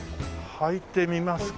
履いてみますか。